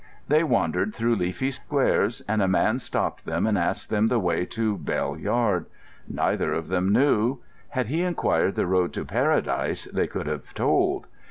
They wandered through leafy squares, and a man stopped them and asked them the way to Bell Yard. Neither of them knew. Had he inquired the road to Paradise they could have told....